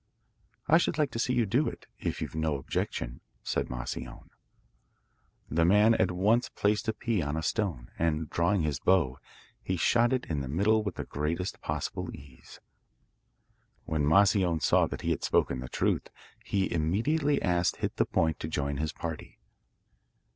'I should like to see you do it, if you've no objection,' said Moscione. The man at once placed a pea on a stone, and, drawing his bow, he shot it in the middle with the greatest possible ease. When Moscione saw that he had spoken the truth, he immediately asked Hit the Point to join his party.